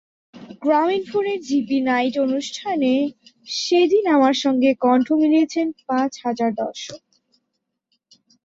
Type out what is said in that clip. গ্রামীণফোনের GP night অনুষ্ঠানে সেদিন আমার সঙ্গে কণ্ঠ মিলিয়েছেন পাঁচ হাজার দর্শক।